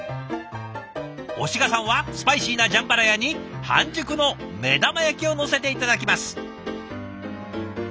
押賀さんはスパイシーなジャンバラヤに半熟の目玉焼きをのせていただきます。